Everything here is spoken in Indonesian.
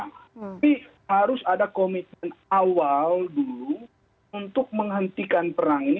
tapi harus ada komitmen awal dulu untuk menghentikan perang ini